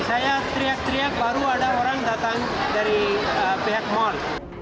saya teriak teriak baru ada orang datang dari pihak mal